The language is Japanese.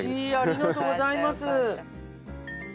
ありがとうございます！